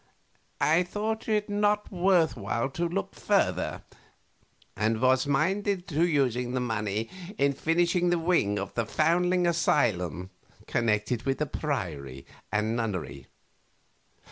A. I thought it not worth while to look further, and was minded to use the money in finishing the wing of the foundling asylum connected with the priory and nunnery.